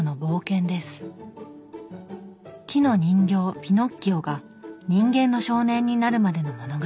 木の人形ピノッキオが人間の少年になるまでの物語。